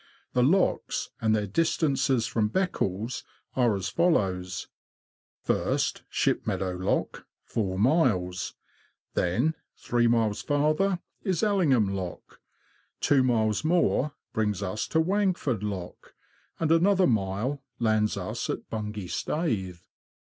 The locks, and their dis tances from Beccles, are as follow : first, Shipmeadow Lock, four miles ; then, three miles farther, is Elling ham Lock; two miles more brings us to Wangford Lock ; and another mile lands us at Bungay Staithe.